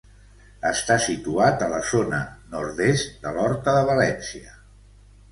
Està situat a la zona nord-est de l'Horta de València.